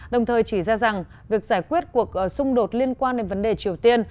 đồng thời chỉ ra rằng việc giải quyết cuộc xung đột liên quan đến vấn đề triều tiên